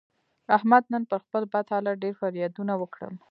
احمد نن پر خپل بد حالت ډېر فریادونه وکړل.